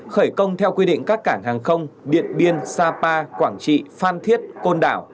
khởi công theo quy định các cảng hàng không điện biên sapa quảng trị phan thiết côn đảo